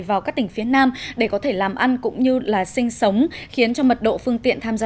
vào các tỉnh phía nam để có thể làm ăn cũng như là sinh sống khiến cho mật độ phương tiện tham gia